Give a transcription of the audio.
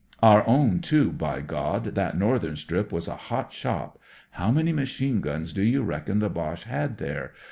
Our own, too. By God I that northern strip was a hot shop. How many machme guns do you reckon the Boche had there?